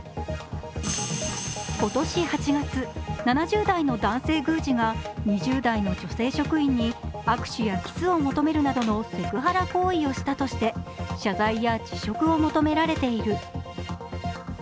今年８月、７０代の男性宮司が２０代の女性職員に握手やキスを求めるなどのセクハラ行為をしたとして謝罪や辞職を求められている。